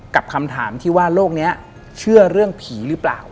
คำถามที่ว่าโลกนี้เชื่อเรื่องผีหรือเปล่า